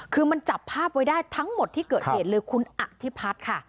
คือมันจับภาพไว้ได้ทั้งหมดที่เกิดเหตุเลยคุณอธิพัฒน์ค่ะ